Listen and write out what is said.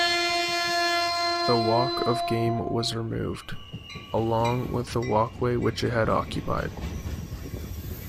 The Walk of Game was removed, along with the walkway which it had occupied.